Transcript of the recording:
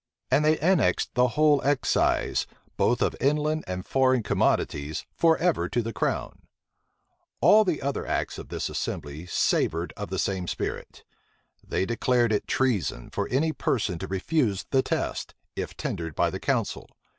And they annexed the whole excise, both of inland and foreign commodities, forever to the crown. All the other acts of this assembly savored of the same spirit. They declared it treason for any person to refuse the test, if tendered by the council.